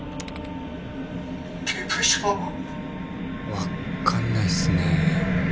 「」「」わかんないっすね。